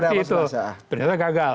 iya seperti itu ternyata gagal